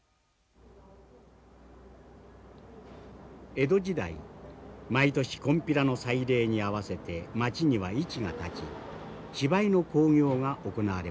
江戸時代毎年金毘羅の祭礼に合わせて町には市が立ち芝居の興行が行われました。